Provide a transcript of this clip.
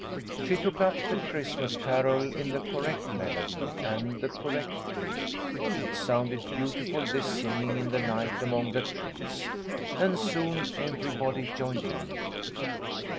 She took up the Christmas carol in the correct melody and the correct key. It sounded beautiful, this singing in the night among the trees, and soon everybody joined in.